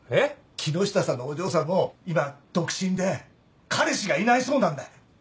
⁉木下さんのお嬢さんも今独身で彼氏がいないそうなんだ！